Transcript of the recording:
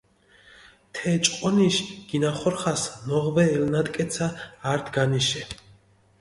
თე ჭყონიში გინახორხას ნოღვე ელნატკეცა ართი განიშე.